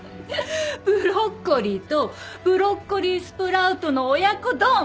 ブロッコリーとブロッコリースプラウトの親子丼！